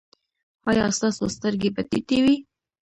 ایا ستاسو سترګې به ټیټې وي؟